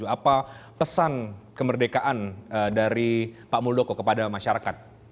apa pesan kemerdekaan dari pak muldoko kepada masyarakat